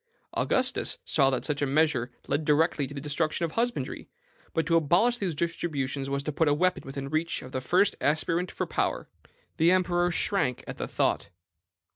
Augustus saw that such a measure led directly to the destruction of husbandry; but to abolish these distributions was to put a weapon within the reach of the first aspirant for power. "The emperor shrank at the thought.